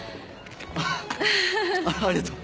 あっありがとう。